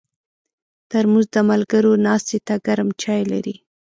ترموز د ملګرو ناستې ته ګرم چای لري.